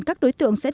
các đối tượng sẽ được